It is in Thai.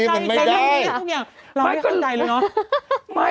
มันก็มี